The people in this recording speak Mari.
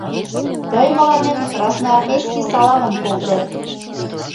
Тый мыланем красноармейский саламым колтет.